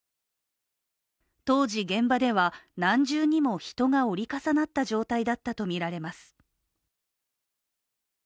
当時現場では何重にも人が折り重なった状態だったとみられます。